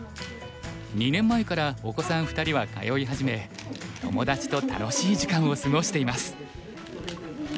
２年前からお子さん２人は通い始め友達と楽しい時間を過ごしています。